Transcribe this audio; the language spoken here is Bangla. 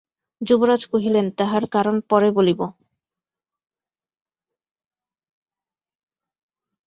যুবরাজ কহিলেন, তাহার কারণ পরে বলিব।